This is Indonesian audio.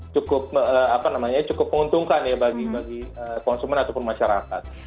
cukup apa namanya cukup menguntungkan ya bagi konsumen ataupun masyarakat